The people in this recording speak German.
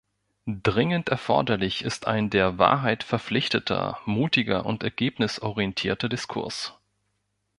Dringend erforderlich ist ein der Wahrheit verpflichteter, mutiger und ergebnisorientierter Diskurs.